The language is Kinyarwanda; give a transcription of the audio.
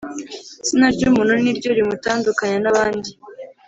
zina ry’umuntu ni ryo rimutandukanya nabandi